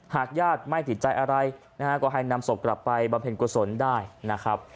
หากญาติไม่ติดใจอะไรนะฮะก็ให้นำศพกลับไปบำเพ็ญกุศลได้นะครับ